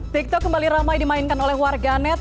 tiktok kembali ramai dimainkan oleh warganet